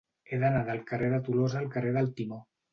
He d'anar del carrer de Tolosa al carrer del Timó.